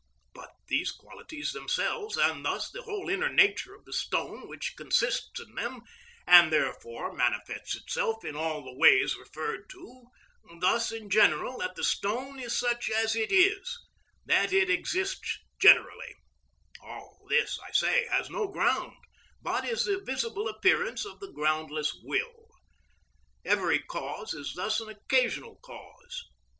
But these qualities themselves, and thus the whole inner nature of the stone which consists in them, and therefore manifests itself in all the ways referred to; thus, in general, that the stone is such as it is, that it exists generally—all this, I say, has no ground, but is the visible appearance of the groundless will. Every cause is thus an occasional cause.